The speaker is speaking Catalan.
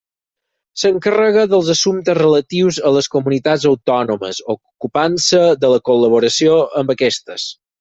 S'encarrega dels assumptes relatius a les comunitats autònomes, ocupant-se de la col·laboració amb aquestes.